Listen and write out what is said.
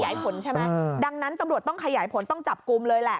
ผลใช่ไหมดังนั้นตำรวจต้องขยายผลต้องจับกลุ่มเลยแหละ